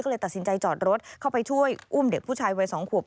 ก็เลยตัดสินใจจอดรถเข้าไปช่วยอุ้มเด็กผู้ชายวัย๒ขวบ